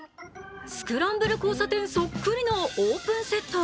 スクランブル交差点そっくりのオープンセット。